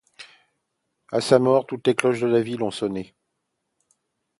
À sa mort, toutes les cloches de la ville ont sonné.